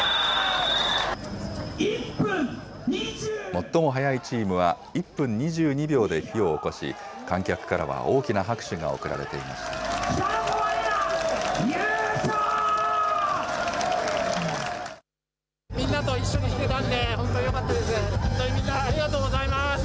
最も早いチームは、１分２２秒で火をおこし、観客からは大きな拍手が送られていました。